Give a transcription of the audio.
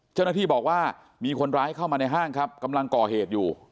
เจ้าหน้าที่บอกว่ามีคนร้ายเข้ามาในห้างครับกำลังก่อเหตุอยู่